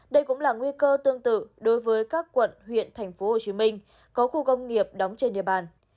đây cũng là nguy cơ tương tự đối với các quận huyện tp hcm có khu công nghiệp đóng trên địa bàn